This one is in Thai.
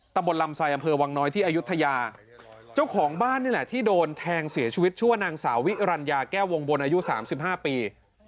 ตำบลลำไซอำเภอวังน้อยที่อายุทยาเจ้าของบ้านนี่แหละที่โดนแทงเสียชีวิตชื่อว่านางสาวิรัญญาแก้ววงบนอายุ๓๕ปี